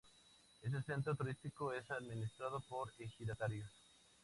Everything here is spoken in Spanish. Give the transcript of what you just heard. Este centro turístico es administrado por ejidatarios.